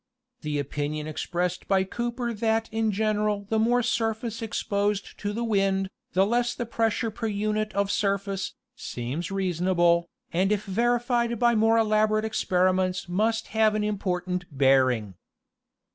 The opin ion expressed by Cooper that in general the more surface ex posed to the wind, the less the pressure per unit of surface, seems reasonable, and if verified by more elaborate experiments must have an important bearing.